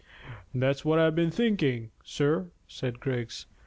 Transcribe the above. "That's what I've been thinking, sir," said Griggs.